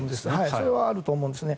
それはあると思うんですね。